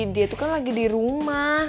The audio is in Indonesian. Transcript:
dia itu kan lagi di rumah